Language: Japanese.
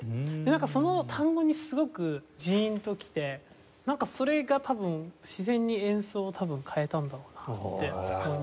なんかその単語にすごくジーンときてなんかそれが多分自然に演奏を変えたんだろうなって思いましたね。